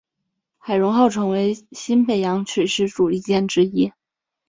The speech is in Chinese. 海容号成为新北洋水师主力舰之一。